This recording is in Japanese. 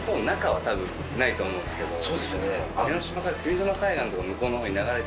そうですよね。